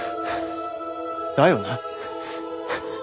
だよな。